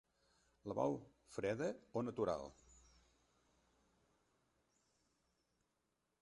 La vol freda o natural?